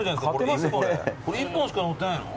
１本しか載ってないの？